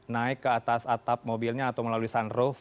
naik ke atas atap mobilnya atau melalui sunroof